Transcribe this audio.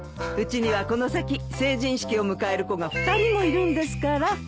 うちにはこの先成人式を迎える子が２人もいるんですから。